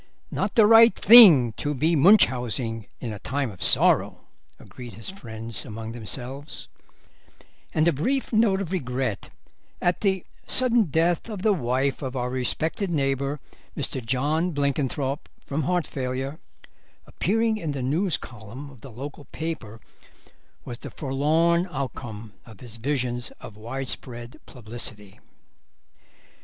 "Not the right thing to be Munchausening in a time of sorrow" agreed his friends among themselves, and a brief note of regret at the "sudden death of the wife of our respected neighbour, Mr. John Blenkinthrope, from heart failure," appearing in the news column of the local paper was the forlorn outcome of his visions of widespread publicity.